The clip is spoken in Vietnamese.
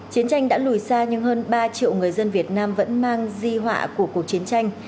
chiến tranh đã lùi xa nhưng hơn ba triệu người dân việt nam vẫn mang di họa của cuộc chiến tranh